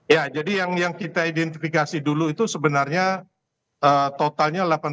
ya jadi yang kita identifikasi dulu itu sebenarnya totalnya delapan puluh